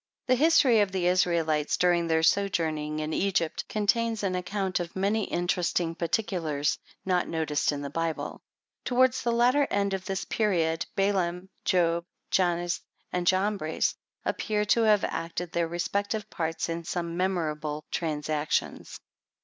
The history of the Israelites during their sojourning in Egypt, contains an account of many interesting particulars not noticed in the Bible. Toward the latter end of this period, Balaam, Job, Jannes, and Jambres, appear to have acted their respective parts in some memorable transactions.